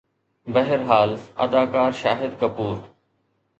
بهرحال، اداڪار شاهد ڪپور